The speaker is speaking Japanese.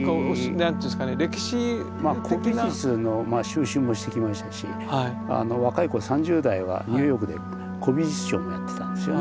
古美術の蒐集もしてきましたし若い頃３０代はニューヨークで古美術商もやってたんですよね。